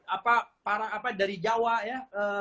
apa para apa dari jawa ya